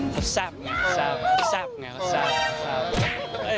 เขาแซ่บไง